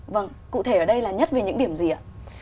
vâng cụ thể ở đây là nhất về những điểm gì ạ